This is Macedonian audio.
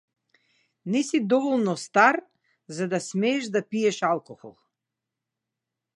Не си доволно стар за да смееш да пиеш алкохол.